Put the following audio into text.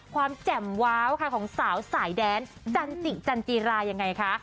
แจ่มว้าวค่ะของสาวสายแดนจันจิจันจิรายังไงคะ